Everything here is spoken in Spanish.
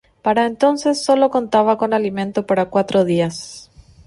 Para entonces, solo contaba con alimento para cuatro días.